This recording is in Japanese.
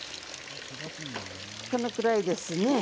このぐらいですね。